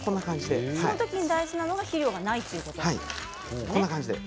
そのときに大事なのが肥料がないということなんです。